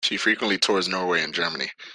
She frequently tours Norway and Germany.